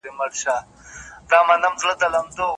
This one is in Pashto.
ښورواگاني يې څټلي د كاسو وې